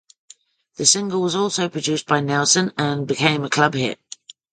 The single was also produced by Nelson and became a club hit.